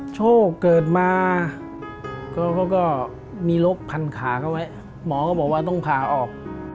โชคเกิดมาเขาก็มีลกพันขาเขาไว้หมอก็บอกว่าต้องผ่าออก